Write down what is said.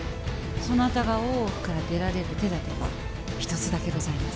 そなたが大奥から出られる手だてが一つだけございます。